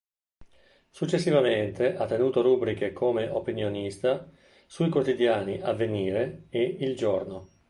Successivamente ha tenuto rubriche come opinionista sui quotidiani "Avvenire" e "Il Giorno".